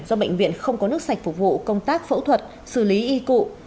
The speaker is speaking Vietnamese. do bệnh viện không có nước sạch phục vụ công tác phẫu thuật xử lý y cụ